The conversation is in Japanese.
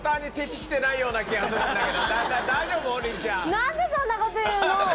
何でそんなこと言うの？